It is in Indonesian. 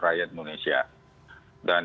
rakyat indonesia dan